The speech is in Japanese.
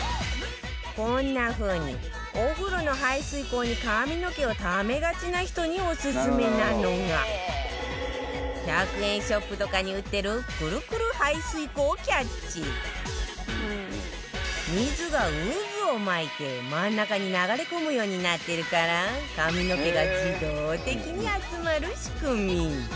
こんな風にお風呂の排水口に髪の毛をためがちな人にオススメなのが１００円ショップとかに売ってる水が渦を巻いて真ん中に流れ込むようになってるから髪の毛が自動的に集まる仕組み